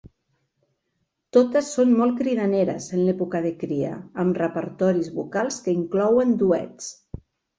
Totes són molt cridaneres en l'època de cria, amb repertoris vocals que inclouen duets.